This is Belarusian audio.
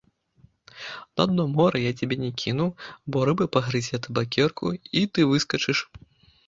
На дно мора я цябе не кіну, бо рыба пагрызе табакерку, і ты выскачыш.